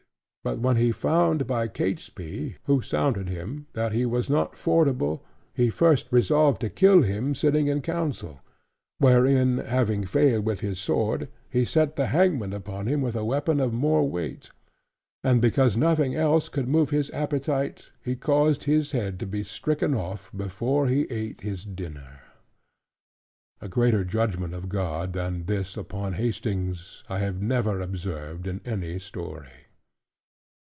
But when he found by Catesby, who sounded him, that he was not fordable; he first resolved to kill him sitting in council: wherein having failed with his sword, he set the hangman upon him, with a weapon of more weight. And because nothing else could move his appetite, he caused his head to be stricken off, before he ate his dinner. A greater judgment of God than this upon Hastings, I have never observed in any story.